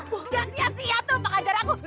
gak siap siap tuh pak ajar aku